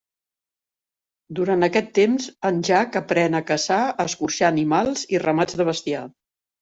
Durant aquest temps, en Jack aprèn a caçar, escorxar animals i ramats de bestiar.